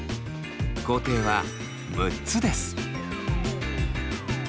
工程は６つです。